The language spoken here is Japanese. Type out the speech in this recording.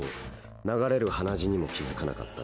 流れる鼻血にも気付かなかった。